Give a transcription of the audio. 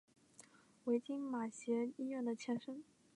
为今马偕医院的前身。